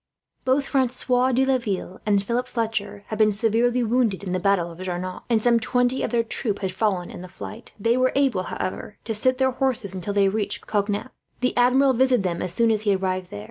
Both Francois de Laville and Philip Fletcher had been severely wounded in the battle of Jarnac, and some twenty of their troop had fallen in the fight. They were able, however, to sit their horses until they reached Cognac. The Admiral visited them, as soon as he arrived there.